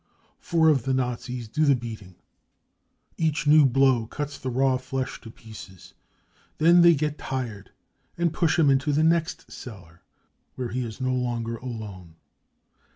Four of the Nazis do the beating. Each new blow cuts the raw flesh to pieces. Then they get tired, and push him into the next cellar, where he is no longer alone.